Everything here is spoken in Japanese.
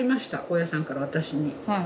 大家さんから私に。